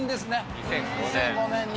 ２００５年に。